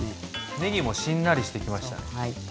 ねぎもしんなりしてきましたね。